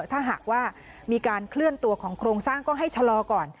ถ้าหากว่ามีการเคลื่อนตัวของโครงสร้างก็ให้ชะลอก่อน